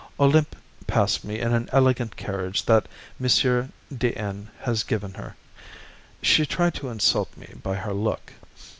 Olympe passed me in an elegant carriage that M. de N. has given her. She tried to insult me by her look.